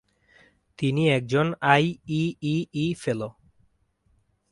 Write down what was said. তিনি একজন আইইইই ফেলো।